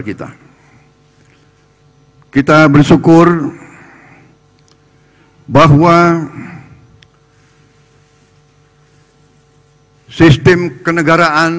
kita kita bersyukur bahwa sistem kenegaraan